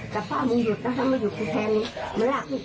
ลาวยาวนี่ไหมนะพะค่ะทำใจวุ้งแกว่นหน่อย